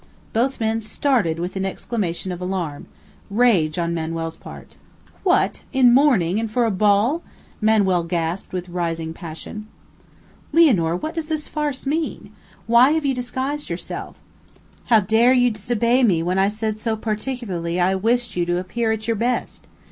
Both men started with an exclamation of alarm rage on Manuel's part. "What! In mourning, and for a ball?" Manuel gasped with rising passion. "Lianor, what does this farce mean? Why have you disguised yourself? How dare you disobey me when I said so particularly I wished you to appear at your best?